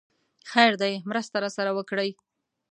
خير دی! مرسته راسره وکړئ!